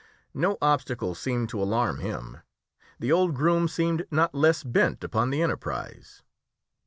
No obstacle seemed to alarm him. The old groom seemed not less bent upon the enterprise.